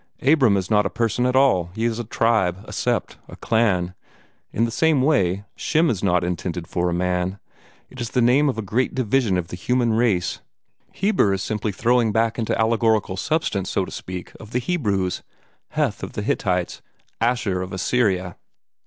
Abram is not a person at all: he is a tribe, a sept, a clan. In the same way, Shem is not intended for a man; it is the name of a great division of the human race. Heber is simply the throwing back into allegorical substance, so to speak, of the Hebrews; Heth of the Hittites; Asshur of Assyria."